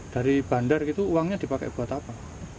dari bandar itu uangnya dipakai buat apa